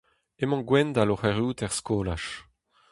Emañ Gwendal oc'h erruout er skolaj.